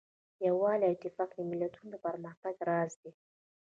یووالی او اتفاق د ملتونو د پرمختګ راز دی.